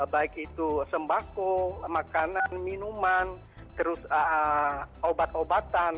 baik itu sembako makanan minuman terus obat obatan